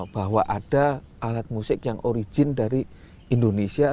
bahwa ada alat musik yang origin dari indonesia